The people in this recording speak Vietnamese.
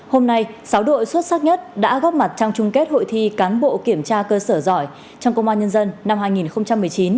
hôm nay sáu đội xuất sắc nhất đã góp mặt trong chung kết hội thi cán bộ kiểm tra cơ sở giỏi trong công an nhân dân năm hai nghìn một mươi chín